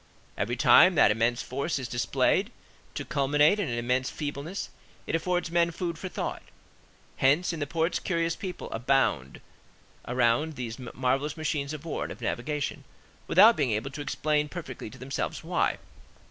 Every time that immense force is displayed to culminate in an immense feebleness it affords men food for thought. Hence in the ports curious people abound around these marvellous machines of war and of navigation, without being able to explain perfectly to themselves why.